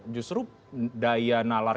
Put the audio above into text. justru daya nalar